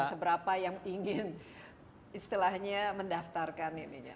seberapa yang ingin istilahnya mendaftarkan ininya